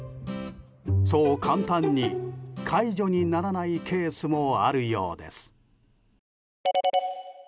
そう簡単に解除にならないケースもあるようです。